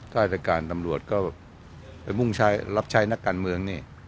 ก็อาจารย์การตำรวจก็ไปรับใช้นักการเมืองนี่